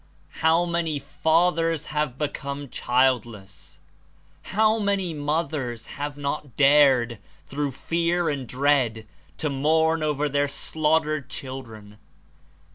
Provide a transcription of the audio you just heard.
How many fathers have become childless ! How many mothers have not dared, through fear and dread, to mourn over their slaughtered children